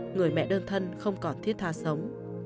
người mẹ đơn thân không còn thiết tha sống